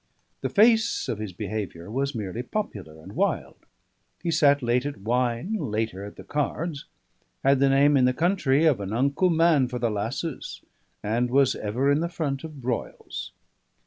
The face of his behaviour was merely popular and wild: he sat late at wine, later at the cards; had the name in the country of "an unco man for the lasses"; and was ever in the front of broils.